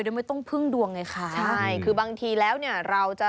เริ่มไม่ต้องพึ่งดวงไงคะ